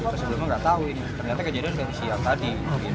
kita sebelumnya nggak tahu ini ternyata kejadian dari siang tadi